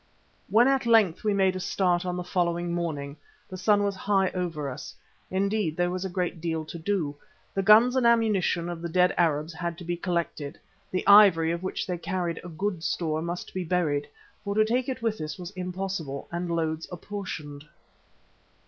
When at length we made a start on the following morning the sun was high over us. Indeed, there was a great deal to do. The guns and ammunition of the dead Arabs had to be collected; the ivory, of which they carried a good store, must be buried, for to take it with us was impossible, and the loads apportioned.